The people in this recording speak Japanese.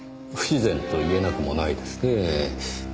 不自然と言えなくもないですねぇ。